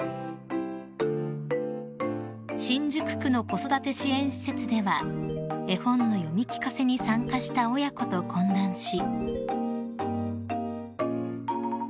［新宿区の子育て支援施設では絵本の読み聞かせに参加した親子と懇談し］